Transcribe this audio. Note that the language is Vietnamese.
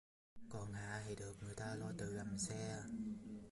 Còn Hạ thì được người ta lôi từ gầm xe